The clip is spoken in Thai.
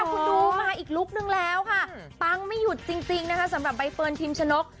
คุณดูมาอีกลุคนึงแล้วค่ะปังไม่หยุดจริงนะคะสำหรับใบเฟิร์นพิมชนก